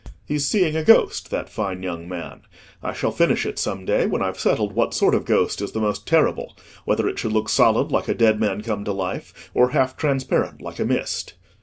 "He's seeing a ghost—that fine young man. I shall finish it some day, when I've settled what sort of ghost is the most terrible—whether it should look solid, like a dead man come to life, or half transparent, like a mist."